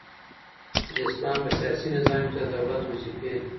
چي د اسلام په سیاسی نظام کی د دولت وظيفي.